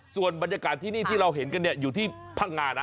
ส่วนบรรยากาศที่นี่ที่เราเห็นกันอยู่ที่พังงานะ